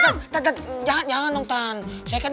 pak deddy apa kabar